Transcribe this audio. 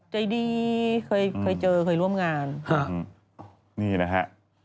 ใจดีเคยเจอเคยร่วมงานนะฮะ